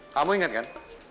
kamu ingat kan